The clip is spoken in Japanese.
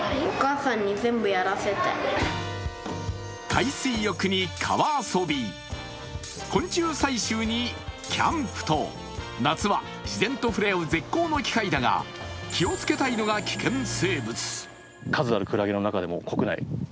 海水浴に川遊び、昆虫採集にキャンプと夏は自然と触れ合う絶好の機会だが、気をつけたいのが危険生物。